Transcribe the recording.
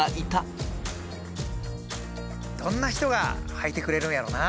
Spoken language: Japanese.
どんな人がはいてくれるんやろうな。